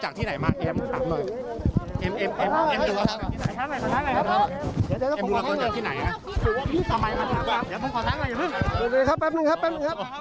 อ่ะครับเป็นไงครับเป็นไงครับ